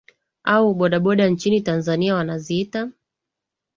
au boda boda nchini tanzania wanaziita